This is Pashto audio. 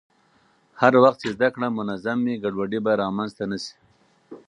هر وخت چې زده کړه منظم وي، ګډوډي به رامنځته نه شي.